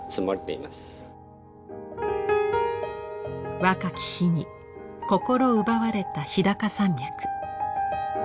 若き日に心奪われた日高山脈。